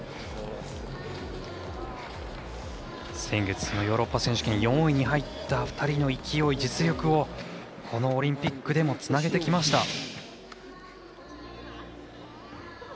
先月、ヨーロッパ選手権４位に入った２人の勢い実力を、このオリンピックでもつなげてきました。